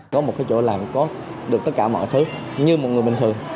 có một cái chỗ làm có được tất cả mọi thứ như một người bình thường